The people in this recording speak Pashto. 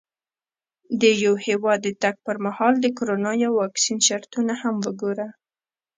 د یو هېواد د تګ پر مهال د کرونا یا واکسین شرطونه هم وګوره.